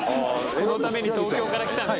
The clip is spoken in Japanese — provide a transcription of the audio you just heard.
このために東京から来たんだ。